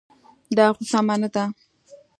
دا خو سمه نه ده.